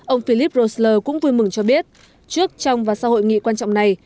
ông philip rosler cũng vui mừng cho biết trước trong và sau hội nghị quan trọng này